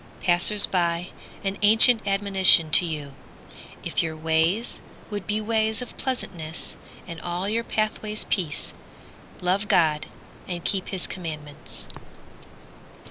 Passers by, an ancient admonition to you: If your ways would be ways of pleasantness, And all your pathways peace, Love God and keep his commandments.